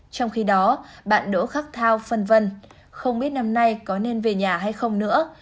trong khi đó bạn đỗ khắc thao phân vân không biết năm nay có nên về nhà hay không nữa